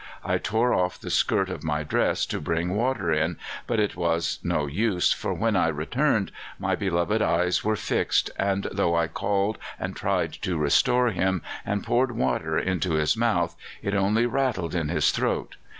I tore off the skirt of my dress to bring water in; but it was no use, for when I returned, my beloved's eyes were fixed, and, though I called and tried to restore him and poured water into his mouth, it only rattled in his throat.